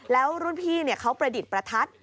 แล้วรุ่นพี่เขาประดิษฐ์ประทัด